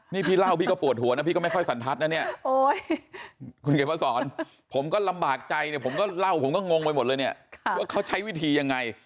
นี่พี่เล่าพี่ก็ปวดหัวนะพี่ก็ไม่ค่อยสันทัศน์นะเนี่ย